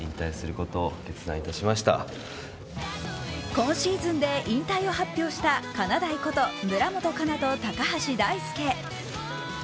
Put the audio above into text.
今シーズンで引退を発表したかなだいこと、村元哉中と高橋大輔。